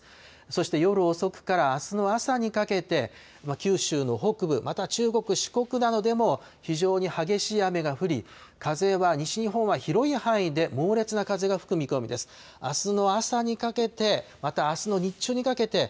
そして、夜遅くからあすの朝にかけて、九州の北部、また中国、四国などでも非常に激しい雨が降り、風は西日本は広い範囲で猛烈な風が吹く見込みです。